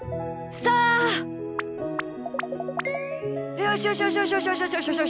よしよしよしよしよし。